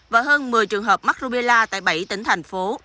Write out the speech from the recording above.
và hơn một mươi trường hợp mắc rubella tại bảy tỉnh thành phố